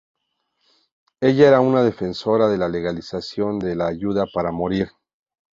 Ella era una defensora de la legalización de la ayuda para morir.